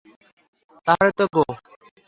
তাহলে তো গে।